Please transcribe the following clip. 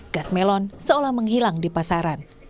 gas melon seolah menghilang di pasaran